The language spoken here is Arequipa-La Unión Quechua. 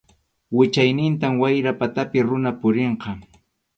Wichaynintam wayra patapi runa purinqa.